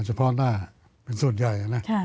เฉพาะหน้าเป็นส่วนใหญ่นะ